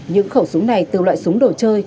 những khẩu súng này từ loại súng đồ chơi